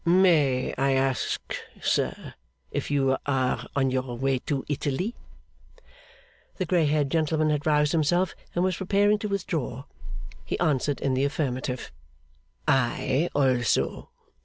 'May I ask, sir, if you are on your way to Italy?' The grey haired gentleman had roused himself, and was preparing to withdraw. He answered in the affirmative. 'I also!